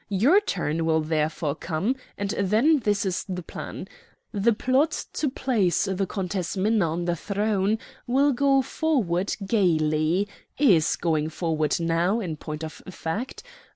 Your turn will therefore come, and then this is the plan: The plot to place the Countess Minna on the throne will go forward gayly, is going forward now, in point of fact.